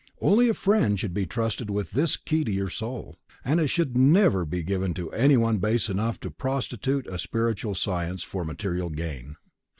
Only a friend should be trusted with this key to your soul, and it should never be given to anyone base enough to prostitute a spiritual science for material gain.